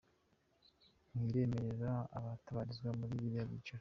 ntiremerera abatabarizwa muri biriya byiciro.